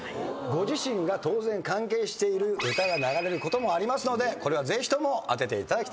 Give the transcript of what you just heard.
ご自身が当然関係している歌が流れることもありますのでこれはぜひとも当てていただきたいと思います。